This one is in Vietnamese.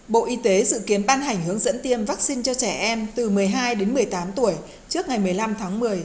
bộ y tế dự kiến ban hành hướng dẫn tiêm vaccine cho trẻ em từ một mươi hai đến một mươi tám tuổi trước ngày một mươi năm tháng một mươi